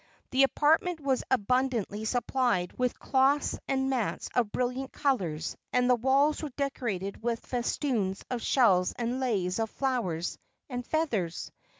The apartment was abundantly supplied with cloths and mats of brilliant colors, and the walls were decorated with festoons of shells and leis of flowers and feathers.